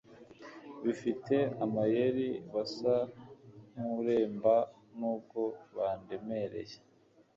bifite amayeri basa nkureremba, nubwo bandemereye